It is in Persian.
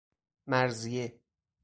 مرضیه